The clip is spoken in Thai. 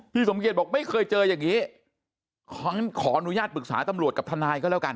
สมเกียจบอกไม่เคยเจออย่างนี้ขออนุญาตปรึกษาตำรวจกับทนายก็แล้วกัน